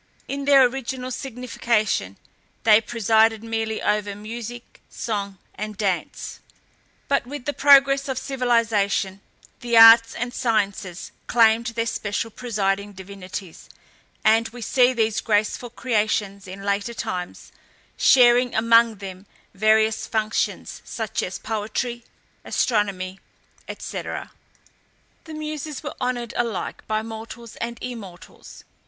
In their original signification, they presided merely over music, song, and dance; but with the progress of civilization the arts and sciences claimed their special presiding divinities, and we see these graceful creations, in later times, sharing among them various functions, such as poetry, astronomy, &c. The Muses were honoured alike by mortals and immortals.